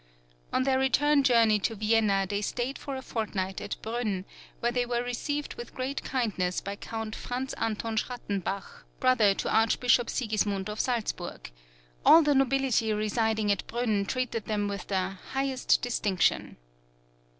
On their return journey to Vienna they stayed for a fortnight at Brunn, where they were received with great kindness by Count Franz Anton Schrattenbach, brother to Archbishop Sigismund, of Salzburg: all the nobility residing at Brünn treated them with the "highest distinction."